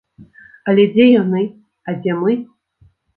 Але дзе яны, а дзе мы?